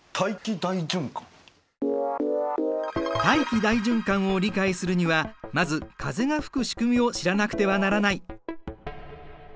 大気大循環を理解するにはまず風が吹く仕組みを知らなくてはならない。